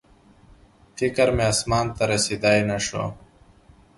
فکر مې اسمان ته رسېدی نه شو